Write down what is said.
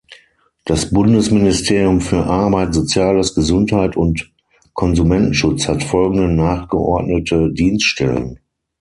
Das Bundesministerium für Arbeit, Soziales, Gesundheit und Konsumentenschutz hat folgende nachgeordnete Dienststellen.